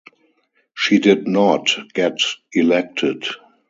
She did not get elected.